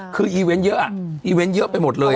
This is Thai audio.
คือเยอะไปหมดเลย